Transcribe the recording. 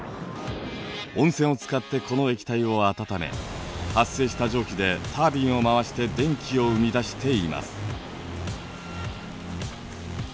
温泉を使ってこの液体を温め発生した蒸気でタービンを回して電気を生み出しています。